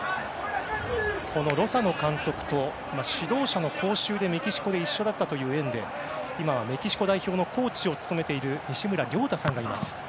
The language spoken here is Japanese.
ロサノ監督と指導者の講習でメキシコで一緒だったという縁で今、メキシコ代表のコーチを務めているニシムラ・リョウタさんがいます。